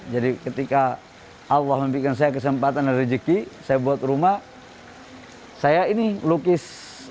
jadi ketika allah mimpikan saya kesempatan dan rezeki saya buat rumah saya ini lukis